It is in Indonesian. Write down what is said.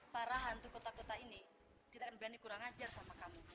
para hantu kota kota ini tidak akan berani kurang ajar sama kamu